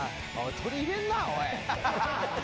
「鶏入れんな！おい」